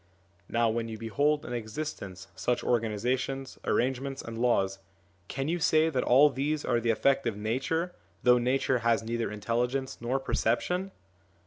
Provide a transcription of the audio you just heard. Now, when you behold in existence such organisa tions, arrangements, and laws, can you say that all these are the effect of Nature, though Nature has neither intelligence nor perception